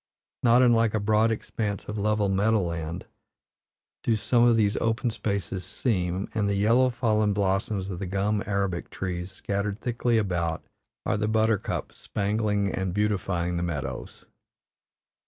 Not unlike a broad expanse of level meadow land do some of these open spaces seem, and the yellow, fallen blossoms of the gum arabic trees, scattered thickly about, are the buttercups spangling and beautifying the meadows.